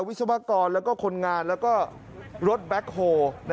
วิศวกรและคนงานรถแบ๊กโฮ